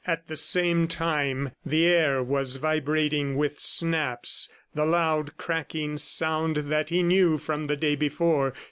At the same time, the air was vibrating with snaps, the loud cracking sound that he knew from the day before.